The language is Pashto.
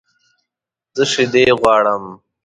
زه شیدې غواړم